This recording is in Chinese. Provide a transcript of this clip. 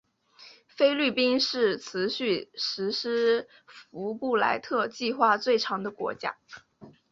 菲律宾是持续实施福布莱特计划最长的国家。